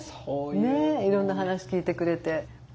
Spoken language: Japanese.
いろんな話聞いてくれて。